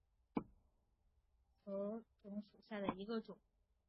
拟褐圆盾介壳虫为盾介壳虫科褐圆盾介壳虫属下的一个种。